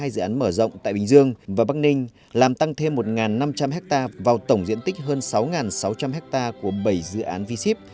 một hai dự án mở rộng tại bình dương và bắc ninh làm tăng thêm một năm trăm linh ha vào tổng diện tích hơn sáu sáu trăm linh ha của bảy dự án v ship